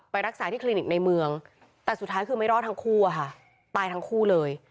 รักษาที่คลินิกในเมืองแต่สุดท้ายคือไม่รอดทั้งคู่อะค่ะตายทั้งคู่เลย